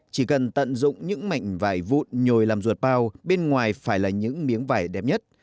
chỉ cần tận dụng những mảnh vài vụn nhồi làm ruột bao bên ngoài phải là những miếng vải đẹp nhất